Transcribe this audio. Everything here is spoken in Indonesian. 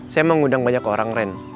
saya mengundang banyak orang ren